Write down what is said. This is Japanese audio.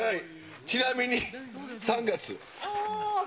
ちなみに３月。